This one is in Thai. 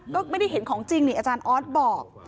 ก็ไม่ได้เห็นของจริงนี่อาจารย์ออสบอก